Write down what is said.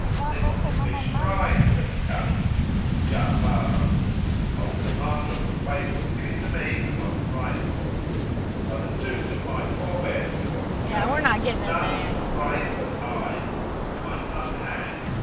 "They want the fish fried," said the Caliph, and Ja'afar answered, "O Commander of the Faithful, give it to me and I'll fry it for them." "By the tombs of my forbears," quoth the Caliph, "none shall fry it but I, with mine own hand!"